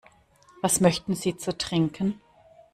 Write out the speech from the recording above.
Was möchten Sie zu trinken?